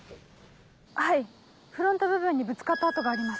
はいフロント部分にぶつかった跡があります。